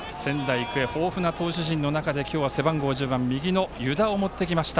育英豊富な投手陣の中で今日は背番号１０番右の湯田を持ってきました。